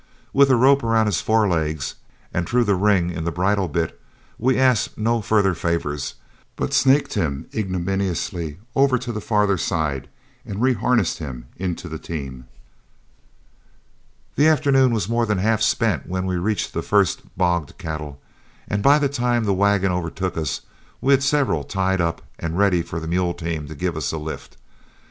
With a rope around his forelegs and through the ring in the bridle bit, we asked no further favors, but snaked him ignominiously over to the farther side and reharnessed him into the team. The afternoon was more than half spent when we reached the first bogged cattle, and by the time the wagon overtook us we had several tied up and ready for the mule team to give us a lift.